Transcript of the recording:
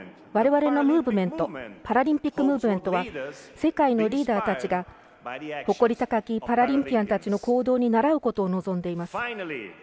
われわれのムーブメントパラリンピックムーブメントは世界のリーダーたちが誇り高きパラリンピアンたちの行動にならうことを望んでいます。